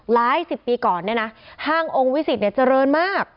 หลายสิบปีก่อนเนี่ยนะห้างองค์วิสิตเจริญมาก